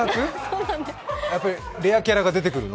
やっぱりレアキャラが出てくるの？